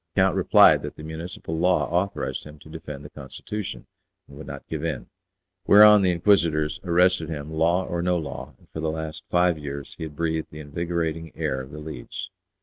The count replied that the municipal law authorized him to defend the constitution, and would not give in; whereon the Inquisitors arrested him, law or no law, and for the last five years he had breathed the invigorating air of The Leads.